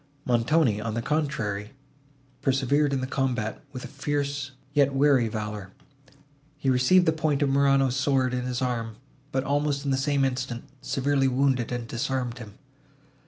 Montoni, on the contrary, persevered in the combat, with a fierce, yet wary, valour; he received the point of Morano's sword on his arm, but, almost in the same instant, severely wounded and disarmed him.